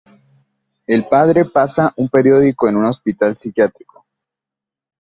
El padre pasa un periodo en un hospital psiquiátrico.